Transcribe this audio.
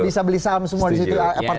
bisa beli saham semua di situ